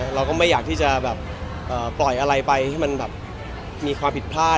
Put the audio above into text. เราก็ไม่อยากที่จะแบบปล่อยอะไรไปให้มันแบบมีความผิดพลาด